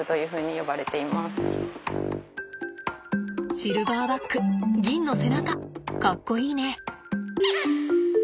シルバーバック銀の背中かっこいいね！